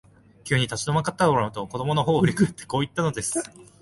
急に立ち止まったかと思うと、子供のほうを振り返って、こう言ったのです。